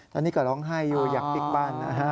ตอนนี้ก็ร้องไห้อยู่อยากปิ๊กบ้านนะฮะ